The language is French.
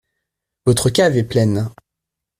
Votre cave est pleine.